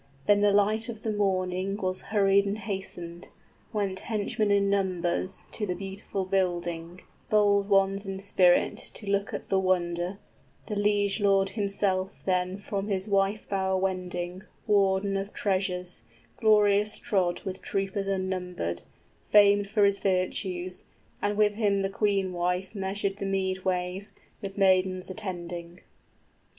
Then the light of the morning Was hurried and hastened. Went henchmen in numbers To the beautiful building, bold ones in spirit, To look at the wonder; the liegelord himself then 85 From his wife bower wending, warden of treasures, Glorious trod with troopers unnumbered, Famed for his virtues, and with him the queen wife Measured the mead ways, with maidens attending.